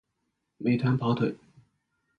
美团跑腿